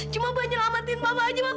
cuma buat nyelamatin mama aja